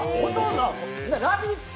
「ラヴィット！」